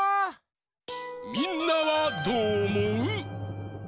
みんなはどうおもう？